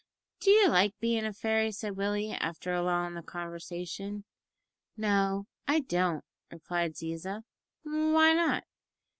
"D'you like bein' a fairy?" said Willie, after a lull in the conversation. "No, I don't," replied Ziza. "Why not?"